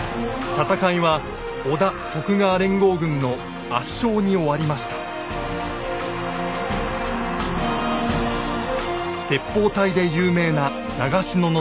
戦いは織田・徳川連合軍の圧勝に終わりました鉄砲隊で有名な長篠の戦い。